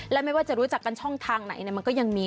และไม่ว่าจะรู้จักกันช่องทางไหนมันก็ยังมี